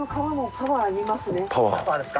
パワーですか？